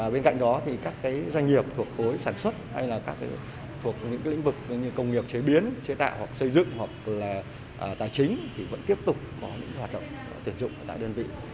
bên cạnh đó các doanh nghiệp thuộc khối sản xuất hay là các doanh nghiệp thuộc những lĩnh vực công nghiệp chế biến chế tạo hoặc xây dựng hoặc là tài chính vẫn tiếp tục có những hoạt động tuyển dụng tại đơn vị